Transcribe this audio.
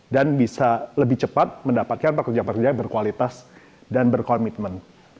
dan bisa lebih cepat mendapatkan pekerja pekerja yang berkualitas dan berkomitmen